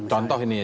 ya contoh ini ya